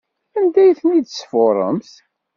Anda ay ten-id-tesfuṛemt?